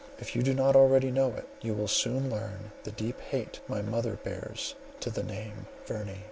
If you do not already know it, you will soon learn the deep hate my mother bears to the name Verney.